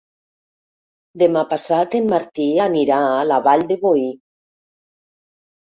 Demà passat en Martí anirà a la Vall de Boí.